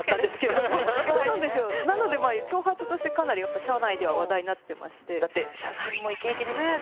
なのでまあ長髪としてかなり社内では話題になってましてだって写真もイケイケですもんね。